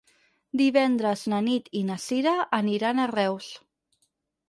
Divendres na Nit i na Sira aniran a Reus.